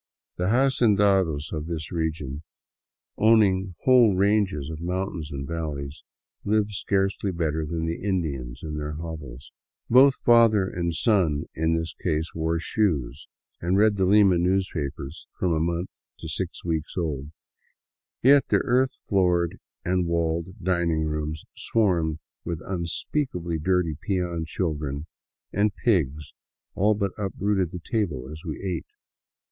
The hacendados of this region, owning whole ranges of moun tains and valleys, live scarcely better than the Indians in their hovels. Both father and son in this case wore shoes and read the Lima news papers — from a month to six weeks old — yet their earth floored and walled dining room swarmed with unspeakably dirty peon children, and pigs all but uprooted the table as we ate.